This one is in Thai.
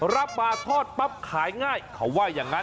รับมาทอดปั๊บขายง่ายเขาว่าอย่างนั้น